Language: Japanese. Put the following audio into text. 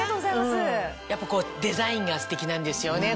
やっぱデザインがステキなんですよね。